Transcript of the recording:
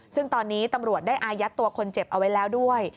ซึ่งตอนนี้ตำรวจได้อายัดตัวคนเจ็บเอาไว้แล้วด้วย